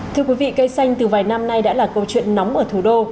thưa quý vị cây xanh từ vài năm nay đã là câu chuyện nóng ở thủ đô